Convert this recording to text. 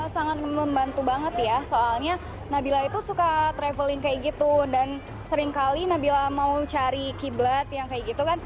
sangat membantu banget ya soalnya nabila itu suka traveling kayak gitu dan seringkali nabila mau cari kiblat yang kayak gitu kan